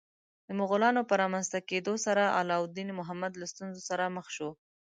د مغولانو په رامنځته کېدا سره علاوالدین محمد له ستونزو سره مخ شو.